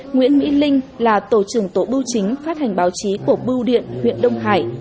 nguyễn mỹ linh là tổ trưởng tổ bưu chính phát hành báo chí của bưu điện huyện đông hải